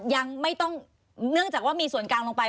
ยังไม่ต้องเนื่องจากว่ามีส่วนกลางลงไป